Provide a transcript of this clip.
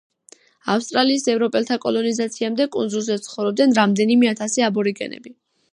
ავსტრალიის ევროპელთა კოლონიზაციამდე კუნძულზე ცხოვრობდნენ რამდენიმე ათასი აბორიგენები.